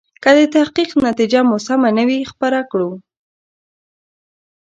که د تحقیق نتیجه مو سمه نه وي خپره کړو.